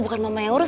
bukan mama yang urus